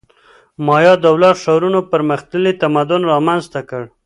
مایا دولت ښارونو پرمختللی تمدن رامنځته کړ